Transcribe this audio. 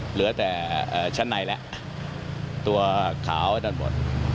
เหลือแต่ชะไนแล้วตัวขาวทั้งหมด